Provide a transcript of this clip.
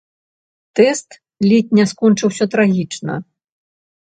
Тэст ледзь не скончыўся трагічна.